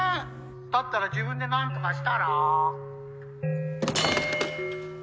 「だったら自分でなんとかしたら？」